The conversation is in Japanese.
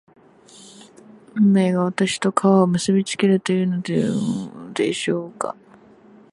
運命が私と川を結びつけるとでもいうのでしょうか